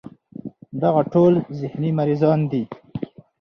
دغه ټول ذهني مريضان دي